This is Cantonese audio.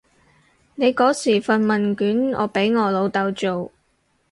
你嗰時份問卷我俾我老豆做